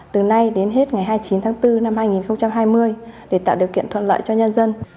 từ nay đến hết ngày hai mươi chín tháng bốn năm hai nghìn hai mươi để tạo điều kiện thuận lợi cho nhân dân